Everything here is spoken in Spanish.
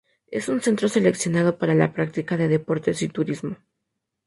Es un centro seleccionado para la práctica de deportes y turismo.